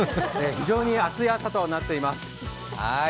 非常に暑い朝となっています。